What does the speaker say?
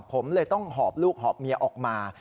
ผมเลยต้องหอบลูกหอบเมียออกมา